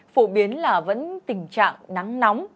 phổ biến là vẫn tình trạng nắng nóng